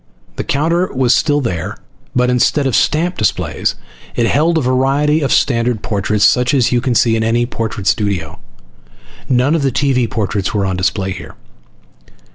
The counter was still there, but instead of stamp displays it held a variety of standard portraits such as you can see in any portrait studio. None of the TV portraits were on display here.